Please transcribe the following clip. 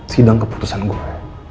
sidang keputusan gue